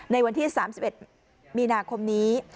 ในวันที่๓๑มีนาคมนี้